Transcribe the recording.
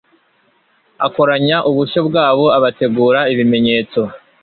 akoranya ubushyo bwabo abategura ibimenyetso